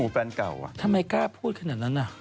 ทำไมกล้าพูดขนาดนั้นอ่ะ